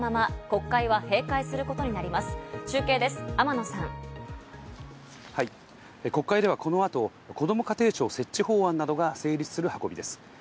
国会ではこの後、こども家庭庁設置法案などが成立する運びです。